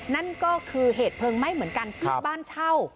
นั่นก็คือเหตุเพลิงไหม้เหมือนกันที่บ้านเช่า